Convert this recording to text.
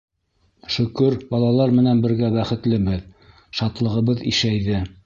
Шөкөр, балалар менән бергә бәхетлебеҙ, шатлығыбыҙ ишәйҙе.